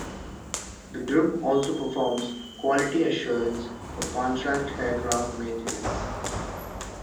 The group also performs quality assurance for contract aircraft maintenance.